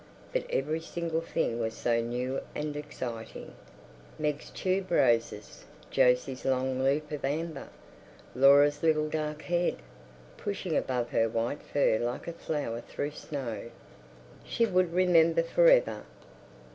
But every single thing was so new and exciting... Meg's tuberoses, Jose's long loop of amber, Laura's little dark head, pushing above her white fur like a flower through snow. She would remember for ever.